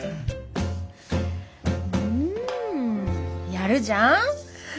うんやるじゃん。